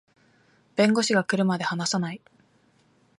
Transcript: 弁護士が来るまで話さない